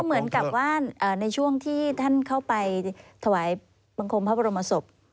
เหมือนกับว่าในช่วงที่ท่านเข้าไปถวายบังคมพระบรมศพ